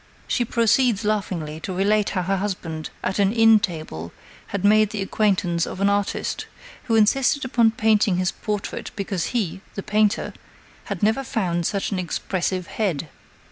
She proceeds laughingly to relate how her husband at an inn table had made the acquaintance of an artist, who insisted upon painting his portrait because he, the painter, had never found such an expressive head.